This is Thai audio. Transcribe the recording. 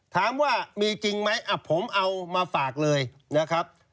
ถามว่ามีจริงไหมผมเอามาฝากเลยนะครับ